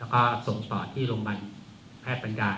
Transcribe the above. แล้วก็ส่งต่อที่โรงพยาบาลแพทย์ปัญญา